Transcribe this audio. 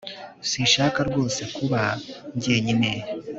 Sinshaka rwose kuba njyenyine